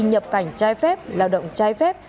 nhập cảnh trai phép lao động trai phép